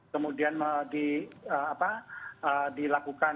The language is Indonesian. kemudian di apa dilakukan